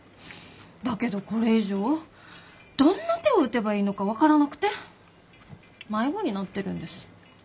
だけどこれ以上どんな手を打てばいいのか分からなくて迷子になってるんです。